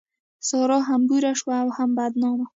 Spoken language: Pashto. سارا هم بوره شوه او هم بدنامه.